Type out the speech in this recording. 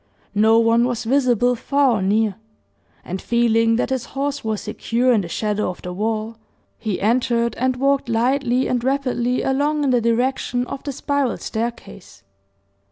No one was visible far or near; and feeling that his horse was secure in the shadow of the wall, he entered, and walked lightly and rapidly along in the direction of the spiral staircase.